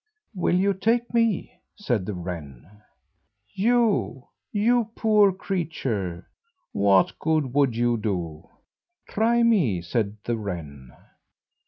"Will you take me?" said the wren. "You, you poor creature, what good would you do?" "Try me," said the wren.